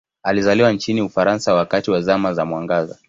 Alizaliwa nchini Ufaransa wakati wa Zama za Mwangaza.